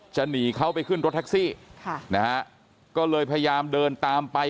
หนีเขาไปขึ้นรถแท็กซี่ค่ะนะฮะก็เลยพยายามเดินตามไป